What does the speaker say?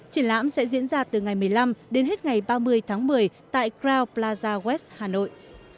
triển lãm sẽ diễn ra từ ngày một mươi năm đến hết ngày ba mươi tháng một mươi tại crow plaza west hà nội